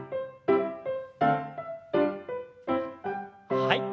はい。